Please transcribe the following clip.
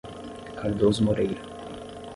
Cardoso Moreira